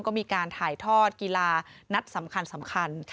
ก็มีการถ่ายทอดกีฬานัดสำคัญ